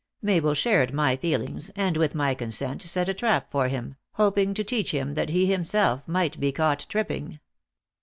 Mabel shared my feelings, and, with my consent, set a trap for him, hoping to teach him that he himself might be caught tripping.